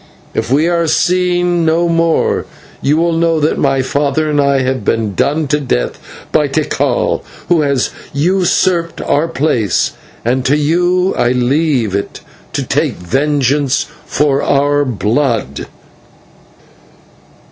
If we are seen no more you will know that my father and I have been done to death by Tikal, who has usurped our place, and to you I leave it to take vengeance for our blood."